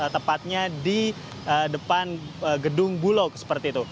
tepatnya di depan gedung bulog seperti itu